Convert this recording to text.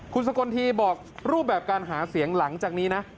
คุณสกลทีบอกรูปแบบการหาเสียงหลังจากนี้นะ